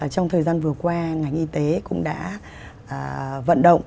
trong thời gian vừa qua ngành y tế cũng đã vận động